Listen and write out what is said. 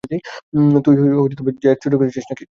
তুই জেট চুরি করেছিস?